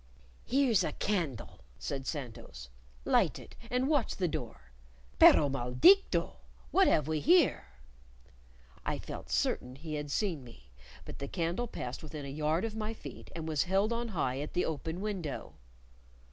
"Here's a candle," said Santos; "light it, and watch the door. Perro mal dicto! What have we here?" I felt certain he had seen me, but the candle passed within a yard of my feet, and was held on high at the open window.